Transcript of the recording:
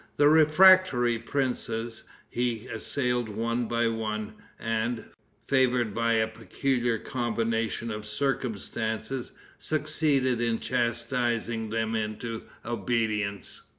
The refractory princes he assailed one by one, and, favored by a peculiar combination of circumstances, succeeded in chastising them into obedience.